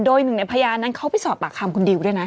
โดยหนึ่งในพยานนั้นเขาไปสอบปากคำคุณดิวด้วยนะ